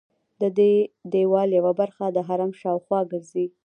ددې دیوال یوه برخه د حرم شاوخوا ګرځي.